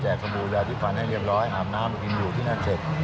แกกสมบูรณ์อย่าทีฝันให้เรียบร้อยอาบน้ำไปเห็นอยู่ที่นั่นเสร็จ